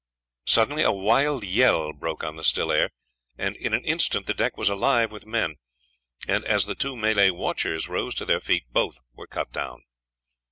Suddenly a wild yell broke on the still air, and in an instant the deck was alive with men; and as the two Malay watchers rose to their feet, both were cut down.